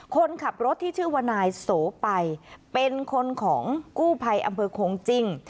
คนขับรถที่ชื่อว่านายโสไปเป็นคนของกู้ภัยอำเภอโคงจริง